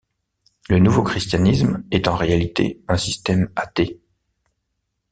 Le nouveau christianisme est en réalité un système athée.